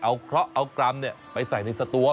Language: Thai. เอาเคราะห์เอากรรมไปใส่ในสตัว